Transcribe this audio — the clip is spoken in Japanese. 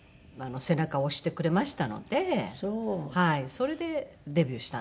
それでデビューしたんですね。